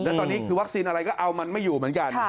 แล้วตอนนี้คือวัคซีนอะไรก็เอามันไม่อยู่เหมือนกัน